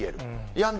やんだ